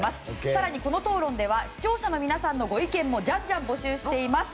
更に、この討論では視聴者の皆さんのご意見もじゃんじゃん募集しています。